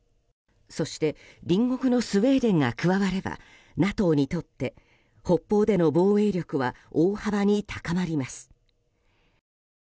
そして隣国のスウェーデンが加わればＮＡＴＯにとって北方での防衛力は大幅に高まります。